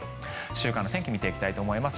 週間の天気見ていきたいと思います。